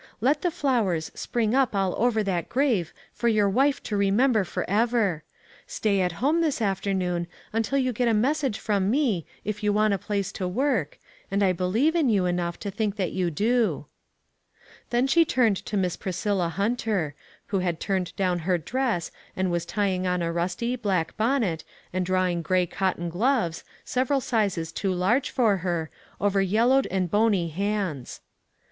Let the flowers spring up all over that grave for your wife to remember forever. Stay at home this afternoon until you get a message from me, if you want a place to work, and I believe in you enough to think that you do." THE PROOF OF THE DIVINE HAND. 29! Then she turned to Miss Priscilla Hunter, who had turned down her dress and was tying on a rusty, black bonnet, and draw ing gray cotton gloves, several sizes too large for her, over yellowed and bony hands.